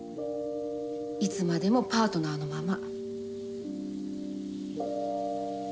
いつまでもパートナーのまま。